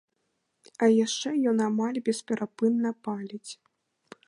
А яшчэ ён амаль бесперапынна паліць.